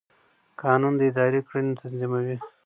قانون د ادارې کړنې تنظیموي.